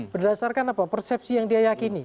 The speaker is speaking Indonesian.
berdasarkan apa persepsi yang dia yakini